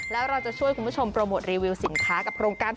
แล้วเราจะช่วยคุณผู้ชมโปรโมทรีวิวสินค้ากับโครงการ